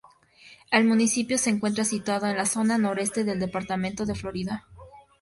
El municipio se encuentra situado en la zona noroeste del departamento de Florida.